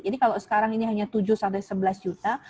jadi kalau sekarang ini hanya tujuh sampai sebelas juta